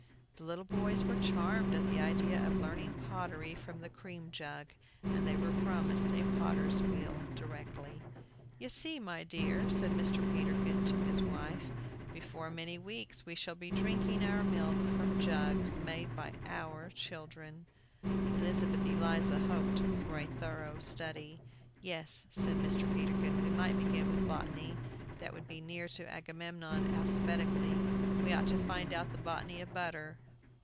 The little boys were charmed at the idea of learning pottery from the cream jug, and they were promised a potter's wheel directly. "You see, my dear," said Mr. Peterkin to his wife, "before many weeks, we shall be drinking our milk from jugs made by our children." Elizabeth Eliza hoped for a thorough study. "Yes," said Mr. Peterkin, "we might begin with botany. That would be near to Agamemnon alphabetically. We ought to find out the botany of butter.